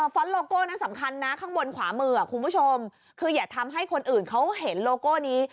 ้อนโลโก้นั้นสำคัญนะข้างบนขวามือคุณผู้ชมคืออย่าทำให้คนอื่นเขาเห็นโลโก้นี้